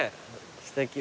すてき。